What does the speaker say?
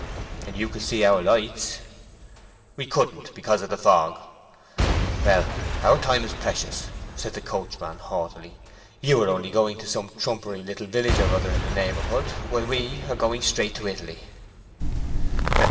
"And you could see our lights." "We couldn't, because of the fog." "Well, our time's precious," said the coachman, haughtily. "You are only going to some trumpery little village or other in the neighborhood, while we are going straight to Italy."